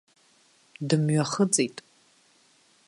Дымҩахыҵит.